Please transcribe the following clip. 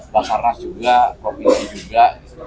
basarnas juga provinsi juga